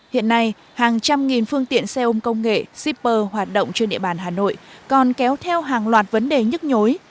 hiện nay hàng trăm nghìn phương tiện xe ôm công nghệ shipper hoạt động trên địa bàn hà nội còn kéo theo hàng loạt vấn đề nhức nhối